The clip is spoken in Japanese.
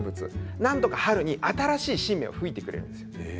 なんとか春に新しい新芽がふいてくれます。